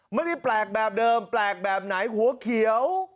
ไม่ได้แปลกแบบเดิมแปลกแบบไหนหัวเขียว